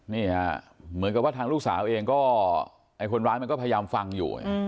นี่ค่ะเหมือนกับว่าทางลูกสาวเองก็ไอ้คนร้ายมันก็พยายามฟังอยู่